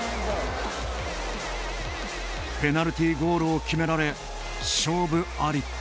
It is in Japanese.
ペナルティゴールを決められ勝負あり。